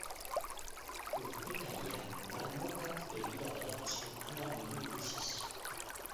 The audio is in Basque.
Urpekaria marmokak begira geratu zen hamar minutu luzez.